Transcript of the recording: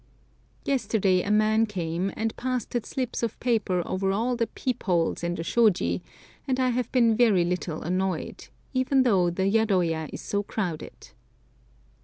Yesterday a man came and pasted slips of paper over all the "peep holes" in the shôji, and I have been very little annoyed, even though the yadoya is so crowded.